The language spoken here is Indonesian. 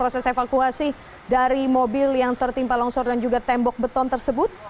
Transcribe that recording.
proses evakuasi dari mobil yang tertimpa longsor dan juga tembok beton tersebut